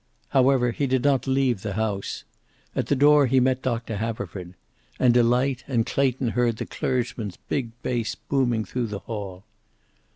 However, he did not leave the house. At the door he met Doctor Haverford. And Delight, and Clayton heard the clergyman's big bass booming through the hall.